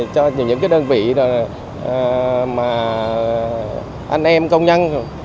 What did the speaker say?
cho những đơn vị mà anh em công nhân